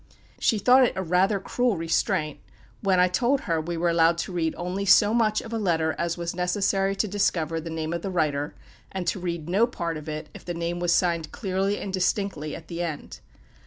She thought it rather a cruel restraint, when I told her we were allowed to read only so much of a letter as was necessary to discover the name of the writer, and to read no part of it, if the name was signed clearly and distinctly at the end.